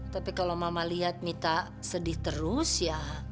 tapi kalau mama lihat mita sedih terus ya